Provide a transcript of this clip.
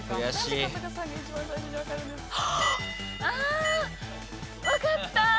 あ！分かった。